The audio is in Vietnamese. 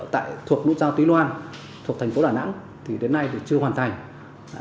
thuộc núi giao tuy loan thuộc thành phố đà nẵng thì đến nay thì chưa hoàn thành